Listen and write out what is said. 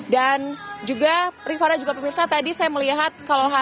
dan juga rifana dan juga pemirsa tadi saya melihat